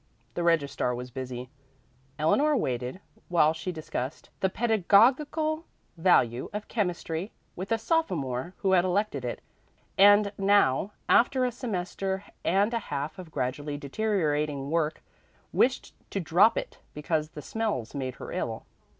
The registrar was busy. Eleanor waited while she discussed the pedagogical value of chemistry with a sophomore who had elected it, and now, after a semester and a half of gradually deteriorating work, wished to drop it because the smells made her ill.